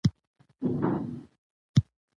او دوه سرې نېزې هلته لیدلې کېږي.